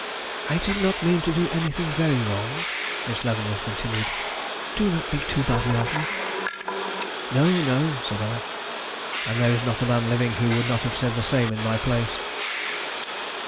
"I did not mean to do anything very wrong," Miss Leavenworth continued. "Do not think too badly of me." "No, no," said I; and there is not a man living who would not have said the same in my place.